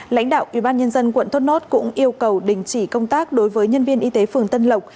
lãnh đạo ubnd quận thốt nốt cũng yêu cầu đình chỉ công tác đối với nhân viên y tế phường tân lộc